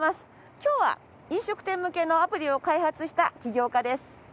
今日は飲食店向けのアプリを開発した起業家です。